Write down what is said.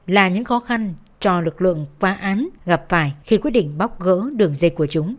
là những khó khăn cho lực lượng phá án gặp phải khi quyết định bóc gỡ đường dây của chúng